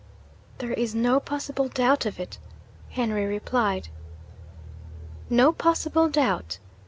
'There is no possible doubt of it,' Henry replied. 'No possible doubt?'